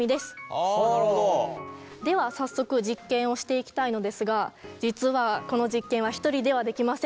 では早速実験をしていきたいのですが実はこの実験は１人ではできません。